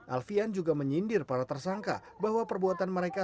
alfian juga menyindir para tersangka bahwa perbuatan mereka